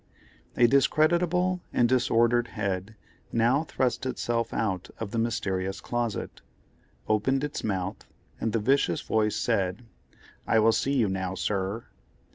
A discreditable and disordered head now thrust itself out of the mysterious closet, opened its mouth, and the vicious voice said: "I will see you now, sir."